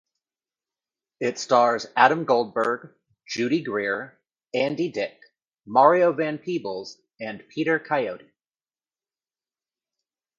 It stars Adam Goldberg, Judy Greer, Andy Dick, Mario Van Peebles, and Peter Coyote.